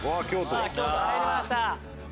京都入りました。